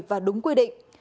và đúng quy định